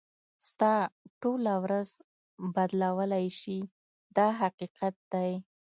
ستا ټوله ورځ بدلولای شي دا حقیقت دی.